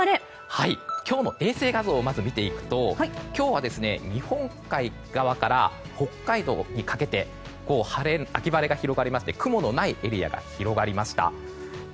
今日の衛星画像を見ていくと今日は日本海側から北海道にかけて秋晴れが広がり雲のないエリアが広がりました。